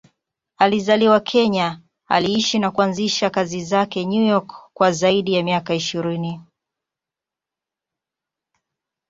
Alizaliwa Kenya, aliishi na kuanzisha kazi zake New York kwa zaidi ya miaka ishirini.